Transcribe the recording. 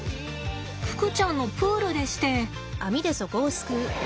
ふくちゃんのプールでして。